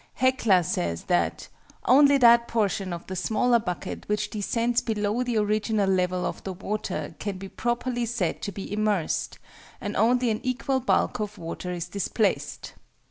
HECLA says that "only that portion of the smaller bucket which descends below the original level of the water can be properly said to be immersed, and only an equal bulk of water is displaced."